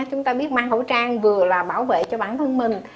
chúng ta biết mang khẩu trang vừa là bảo vệ cho bản thân mình